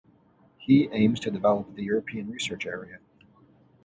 He aims to develop the European Research Area.